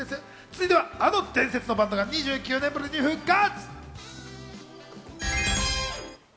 続いては、あの伝説のバンドが２９年ぶりに復活！